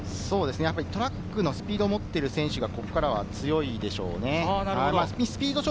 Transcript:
トラックのスピードを持っている選手がここからは強いでしょう。